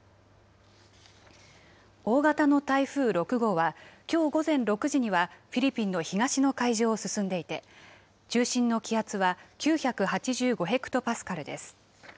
大型の台風６号は、きょう午前６時にはフィリピンの東の海上を進んでいて、中心の気圧は９８５ヘクトパスカルです。